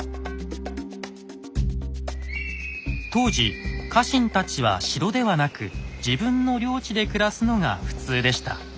当時家臣たちは城ではなく自分の領地で暮らすのが普通でした。